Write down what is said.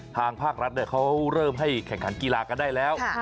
ทางภาครัฐเขาเริ่มให้แข่งขันกีฬากันได้แล้ว